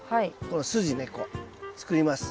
この筋ねこう作ります。